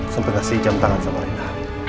sampai kasih jam tangan sama rena